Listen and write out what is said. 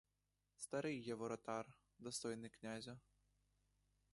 Старий я воротар, достойний князю.